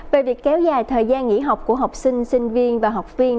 về việc kéo dài thời gian nghỉ học của học sinh sinh viên và học viên